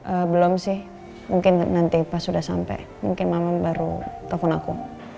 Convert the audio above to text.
eh belum sih mungkin nanti pas sudah sampai mungkin mama baru telepon aku